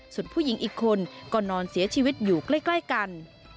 ส่วนผู้หญิงอีกคนก็นอนเสียชีวิตอยู่ใกล้กัน